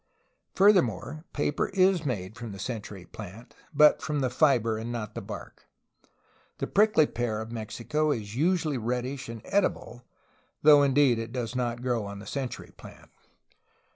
Furthermore, paper is made from the century plant, but from the fiber and not the bark. The prickly pear of Mexico is usually reddish and edible, though indeed it does not grow on the century plant.